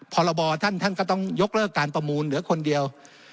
พรบท่านท่านก็ต้องยกเลิกการประมูลเหลือคนเดียว